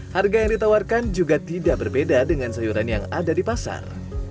harga yang ditawarkan juga tidak berbeda dengan sayuran yang ada di pasar